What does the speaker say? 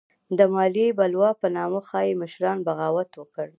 د مالیې بلوا په نامه ځايي مشرانو بغاوت وکړ.